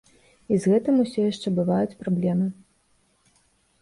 І з гэтым усё яшчэ бываюць праблемы.